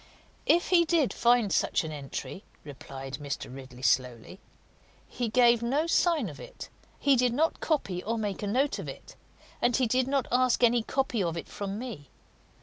"If he did find such an entry," replied Mr. Ridley slowly, "he gave no sign of it; he did not copy or make a note of it, and he did not ask any copy of it from me.